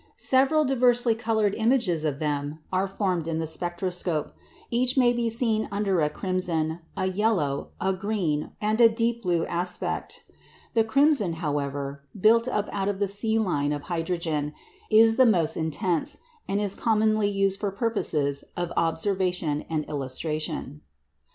Several diversely coloured images of them are formed in the spectroscope; each may be seen under a crimson, a yellow, a green, and a deep blue aspect. The crimson, however (built up out of the C line of hydrogen), is the most intense, and is commonly used for purposes of observation and illustration.